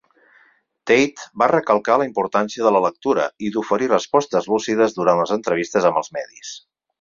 Tate va recalcar la importància de la lectura i d"oferir respostes lúcides durant les entrevistes amb els medis.